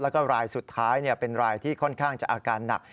แล้วก็รายสุดท้ายเป็นรายที่ค่อนข้างจะอาการหนัก